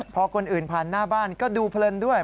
พอคนอื่นผ่านหน้าบ้านก็ดูเพลินด้วย